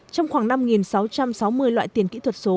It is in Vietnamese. trong khoảng năm sáu trăm sáu mươi loại tiền kỹ thuật số